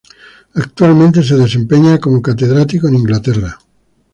Actualmente, se desempeña como catedrático en Inglaterra.